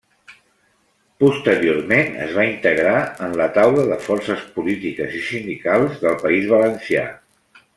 Posteriorment es va integrar en la Taula de Forces Polítiques i Sindicals del País Valencià.